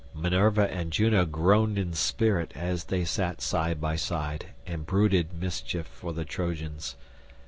Minerva and Juno groaned in spirit as they sat side by side and brooded mischief for the Trojans.